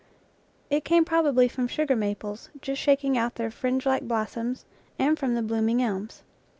It came probably from sugar maples, just shaking out their fringelike blossoms, and from the blooming elms.